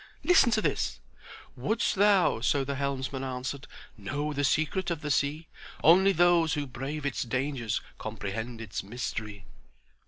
"Listen to this— "'Wouldst thou,' so the helmsman answered, 'Know the secret of the sea? Only those who brave its dangers Comprehend its mystery.'